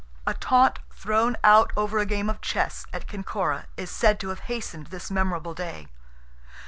A taunt thrown out over a game of chess, at Kinkora, is said to have hastened this memorable day.